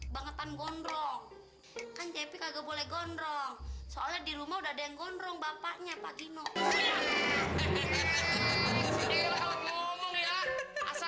bangetan gondrong kan jp kagak boleh gondrong soalnya di rumah udah deng gondrong bapaknya